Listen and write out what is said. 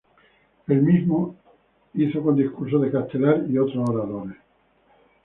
El mismo hizo con discursos de Castelar y otros oradores.